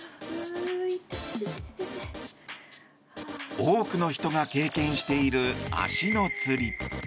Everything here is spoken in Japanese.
多くの人が経験している足のつり。